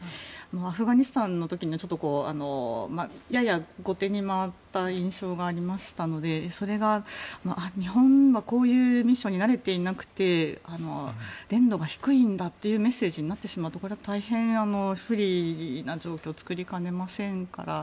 アフガニスタンの時のやや後手に回った印象がありましたのでそれが日本はこういうミッションに慣れていなくて練度が低いんだというメッセージになってしまうとこれは大変不利な状況を作りかねませんから。